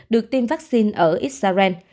được tiêm vaccine ở israel